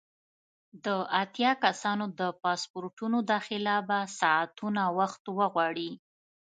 د اتیا کسانو د پاسپورټونو داخله به ساعتونه وخت وغواړي.